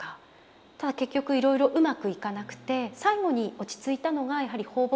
ただ結局いろいろうまくいかなくて最後に落ち着いたのがやはり放牧業でしたね。